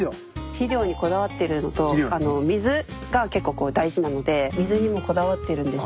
肥料にこだわってるのと水が結構大事なので水にもこだわってるんですよ。